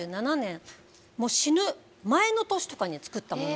死ぬ前の年とかに作ったもの。